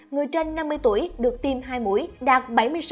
người trên năm mươi tuổi được tiêm hai mũi đạt bảy mươi sáu một mươi một